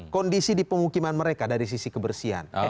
kondisi di pemukiman mereka dari sisi kebersihan